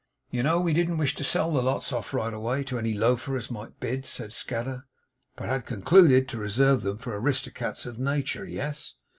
'You know we didn't wish to sell the lots off right away to any loafer as might bid,' said Scadder; 'but had con cluded to reserve 'em for Aristocrats of Natur'. Yes!